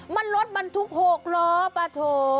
มันรถมันทุกหกเนอะประโถ